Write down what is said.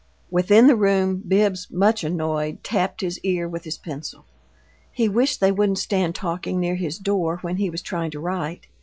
Within the room, Bibbs, much annoyed, tapped his ear with his pencil. He wished they wouldn't stand talking near his door when he was trying to write.